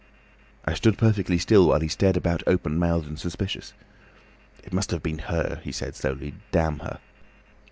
I stood perfectly still while he stared about open mouthed and suspicious. 'It must have been her,' he said slowly. 'Damn her!